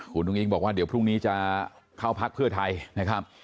คุณอุ้งอิ๊งบอกว่าเดี๋ยวพรุ่งนี้จะเข้าพักเพื่อไทยนะครับ